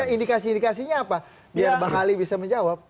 indikasi indikasinya apa biar bang ali bisa menjawab